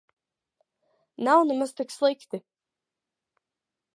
Nav nemaz tik slikti.